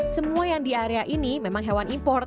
semua yang di area ini memang hewan import